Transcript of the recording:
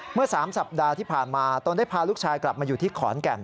เมื่อ๓สัปดาห์ที่ผ่านมาตนได้พาลูกชายกลับมาอยู่ที่ขอนแก่น